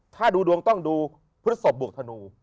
ถ้าต้องดูพฤตศพฑศวธนู